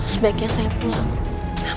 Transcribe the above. sebaiknya saya pulang